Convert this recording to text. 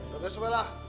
gak usah lah